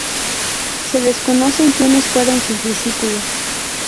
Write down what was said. Se desconocen quienes fueron sus discípulos.